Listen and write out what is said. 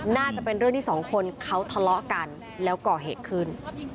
น่าจะเป็นเรื่องที่สองคนเขาทะเลาะกันแล้วก่อเหตุขึ้น